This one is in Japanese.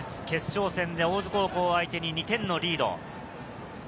決勝戦で大津高校相手に２点のリード。